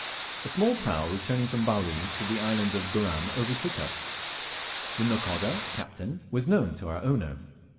A small prau returning from Bali to the island of Goram overtook us. The nakoda (captain) was known to our owner.